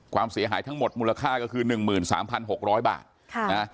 ความเสียหายทั้งหมดมูลค่าก็คือ๑๓๖๐๐บาทนะ